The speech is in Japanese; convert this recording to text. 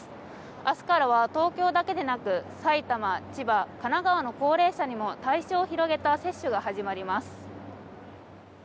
明日からは東京だけでなく埼玉、千葉、神奈川の高齢者にも対象を広げた接種が始まります。